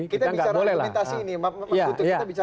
kita bicara argumentasi ini